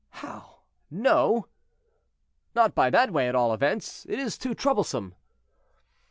"—"How! no?" "Not by that way, at all events; it is too troublesome."